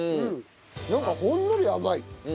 なんかほんのり甘い。